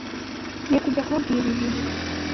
Nkwiye kujya kubabwira ibi?